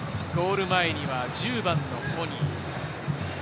ゴール前には１０番のホニ。